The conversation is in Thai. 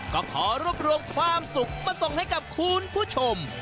ก็ขอรวบรวมความสุขมาส่งให้กับคุณผู้ชม